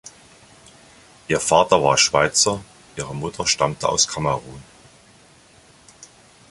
Ihr Vater war Schweizer, ihre Mutter stammte aus Kamerun.